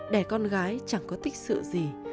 đẻ con gái chẳng có thích sự gì